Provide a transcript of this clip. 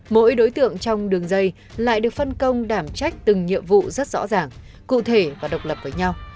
mỗi đối tượng trong đường dây lại được phân công đảm trách từng nhiệm vụ rất rõ ràng cụ thể và độc lập với nhau